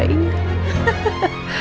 aku ingin berjalan ke rumah riri